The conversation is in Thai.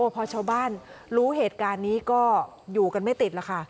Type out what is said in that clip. พอชาวบ้านรู้เหตุการณ์นี้ก็อยู่กันไม่ติดแล้วค่ะ